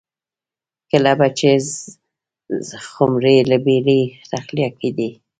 کله به چې خُمرې له بېړۍ تخلیه کېدلې